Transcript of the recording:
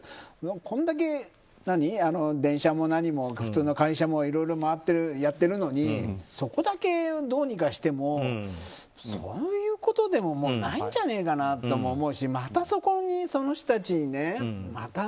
これだけ電車も何も普通の会社もいろいろやっているのにそこだけどうにかしてもそういうことでももうないんじゃねえかなとも思うしまたその人たちに。